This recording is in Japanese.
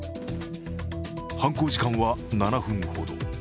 犯行時間は７分ほど。